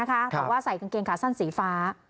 บอกว่าใส่กางเกงขาสั้นสีฟ้า